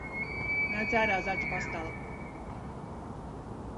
Nāc ārā, zaķpastala!